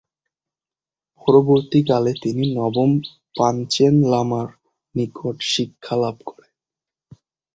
পরবর্তীকালে তিনি নবম পাঞ্চেন লামার নিকট শিক্ষালাভ করেন।